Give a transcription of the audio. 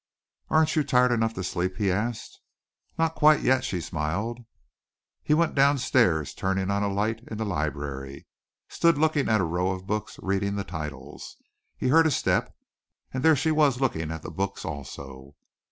"Aren't you tired enough to sleep?" he asked. "Not quite yet," she smiled. He went down stairs and turning on a light in the library stood looking at a row of books reading the titles. He heard a step and there she was looking at the books also.